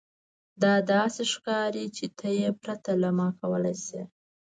دا داسې ښکاري چې ته یې پرته له ما کولی شې